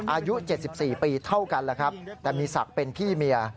อายุ๗๔ปีเท่ากันแล้วครับแต่มีศักดิ์เป็นพี่เมีย